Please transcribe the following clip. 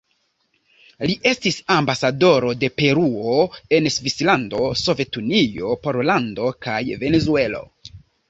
Li estis ambasadoro de Peruo en Svislando, Sovetunio, Pollando kaj Venezuelo.